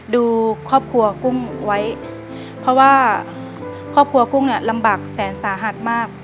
ดูครอบครัวกุ้งไว้เพราะว่าครอบครัวกุ้งเนี่ยลำบากแสนสาหัสมาก